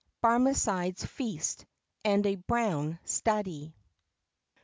BARMECIDE'S FEAST, AND A BROWN STUDY.